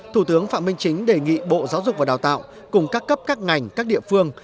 thủ tướng phạm minh chính đề nghị bộ giáo dục và đào tạo cùng các cấp các ngành các địa phương